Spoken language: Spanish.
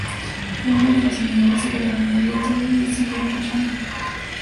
Algunas de las unidades se quedaron en el gueto y siguieron luchando.